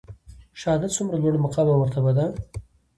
شهادت څومره لوړ مقام او مرتبه ده؟